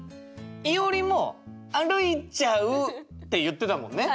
いおりも歩いちゃうって言ってたもんね。